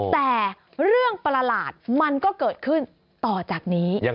แต่เรื่องประหลาดมันก็เกิดขึ้นต่อจากนี้